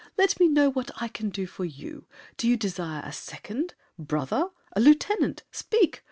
Let me know What I can do for you. Do you desire A second—brother—a lieutenant? Speak!